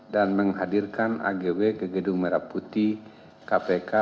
dan menghadirkan agw ke gedung merah putih kpk